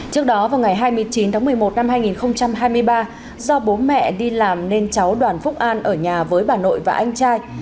trước đó vào ngày hai mươi chín tháng một mươi một năm hai nghìn hai mươi ba do bố mẹ đi làm nên cháu đoàn phúc an ở nhà với bà nội và anh trai